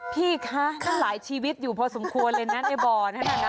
พี่คะมันหลายชีวิตอยู่พอสมควรเลยนะไอ้บอร์นะ